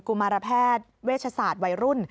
ุมารแพทย์เวชศาสตร์วัยรุ่น